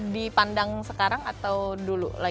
dipandang sekarang atau dulu